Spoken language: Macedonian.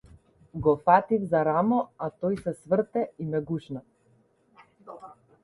Го фатив за рамо, а тој се сврте и ме гушна.